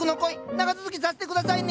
長続きさせてくださいね！